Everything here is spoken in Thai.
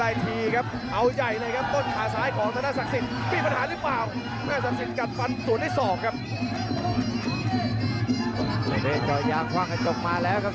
ยกสายตลอดกับสนักศักดิ์ขาที่ในได้แล้วครับ